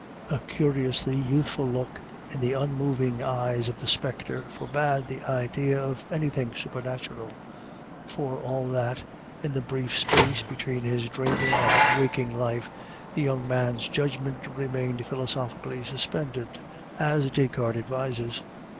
A curiously youthful look in the unmoving eyes of the spectre forbade the idea of anything supernatural; but for all that, in the brief space between his dreaming and waking life, the young man's judgment remained philosophically suspended, as Descartes advises.